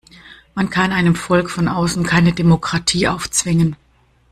Man kann einem Volk von außen keine Demokratie aufzwingen.